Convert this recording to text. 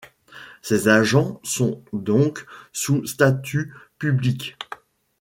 Ses agents sont donc sous statut public.